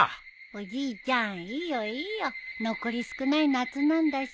おじいちゃんいいよいいよ残り少ない夏なんだし。